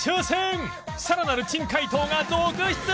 さらなる珍解答が続出！